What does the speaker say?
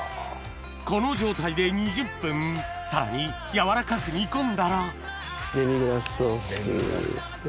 この状態で２０分さらに軟らかく煮込んだらデミグラスソース